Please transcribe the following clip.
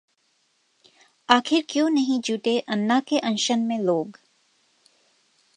आखिर क्यों नहीं जुटे अन्ना के अनशन में लोग?